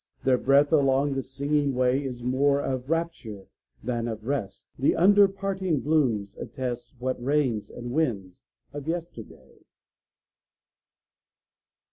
Their breath along the Singing Way Is more of rapture than of rest; The undeparting blooms attest What rains and winds of yesterday!